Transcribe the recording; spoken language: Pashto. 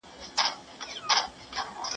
¬ دپاچا نزدېکت اور دئ.